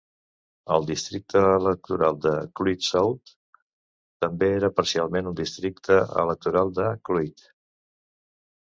El districte electoral de Clwyd South també era parcialment un districte electoral de Clwyd.